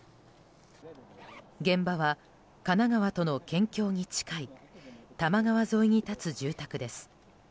現場は神奈川との県境に近い多摩川沿いに立つ住宅です。